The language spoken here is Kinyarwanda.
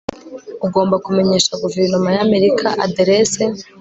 ugomba kumenyesha guverinoma y'amerika aderese